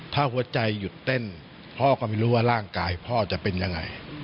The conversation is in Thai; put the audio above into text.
ถ้าหัวใจหยุดเต้นพ่อก็ไม่รู้ว่าร่างกายพ่อจะเป็นยังไง